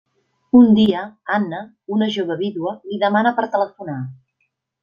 Un dia, Anna, una jove vídua, li demana per telefonar.